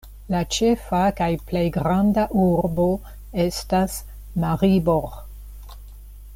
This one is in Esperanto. La ĉefa kaj plej granda urbo estas Maribor.